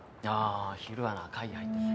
昼はな会議入ってて。